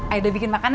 ayo deh bikin makan ya